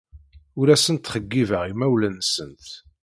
Ur asent-ttxeyyibeɣ imawlan-nsent.